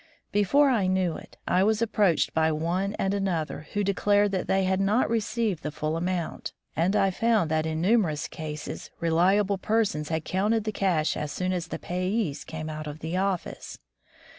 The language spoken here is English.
Before I knew it, I was approached by one and another, who declared that they had not received the full amount, and I found that in numerous cases reliable persons had counted the cash as soon as the payees came out of the office.